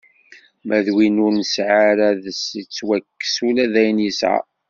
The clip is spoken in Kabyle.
Ma d win ur nesɛi ara, ad s-ittwakkes ula d ayen yesɛa.